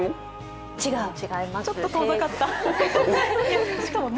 ちょっと遠ざかった。